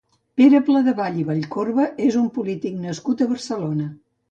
Pere Pladevall i Vallcorba és un polític nascut a Barcelona.